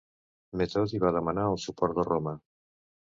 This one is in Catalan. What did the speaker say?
Metodi va demanar el suport de Roma.